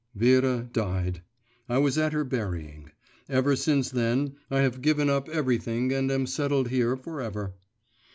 Vera died. I was at her burying. Ever since then I have given up everything and am settled here for ever.